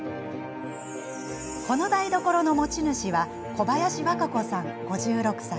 この台所の持ち主は小林和佳子さん５６歳。